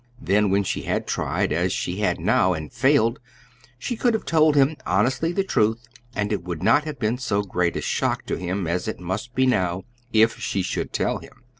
Then when she had tried as she had now and failed, she could have told him honestly the truth, and it would not have been so great a shock to him as it must be now, if she should tell him.